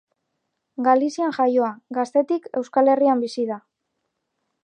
Galizian jaioa, gaztetik Euskal Herrian bizi da.